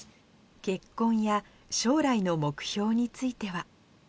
結婚や将来の目標については。